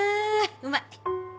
うまい。